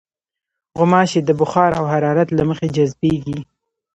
غوماشې د بخار او حرارت له مخې جذبېږي.